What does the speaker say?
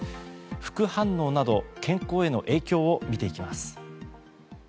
副反応など健康への影響を見ていきます。